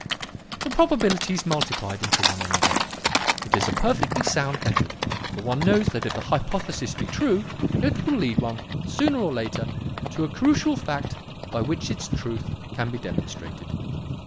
The probabilities multiplied into one another. It is a perfectly sound method, for one knows that if a hypothesis be true, it will lead one, sooner or later, to a crucial fact by which its truth can be demonstrated.